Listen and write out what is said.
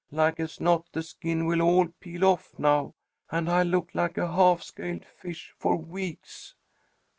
Like as not the skin will all peel off now, and I'll look like a half scaled fish for weeks."